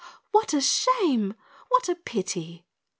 "What a shame! What a pity!"